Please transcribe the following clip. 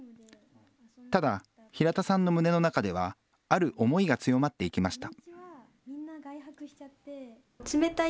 ただ、平田さんの胸の中では、ある思いが強まっていきました。